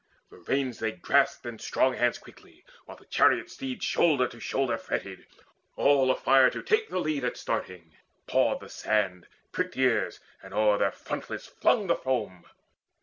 The reins they grasped In strong hands quickly, while the chariot steeds Shoulder to shoulder fretted, all afire To take the lead at starting, pawed the sand, Pricked ears, and o'er their frontlets flung the foam.